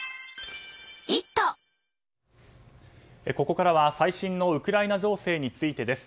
ここからは最新のウクライナ情勢についてです。